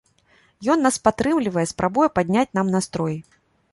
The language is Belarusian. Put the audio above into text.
Ён нас падтрымлівае, спрабуе падняць нам настрой.